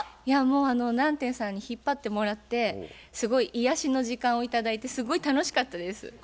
いやもう南天さんに引っ張ってもらってすごい癒やしの時間を頂いてすごい楽しかったです。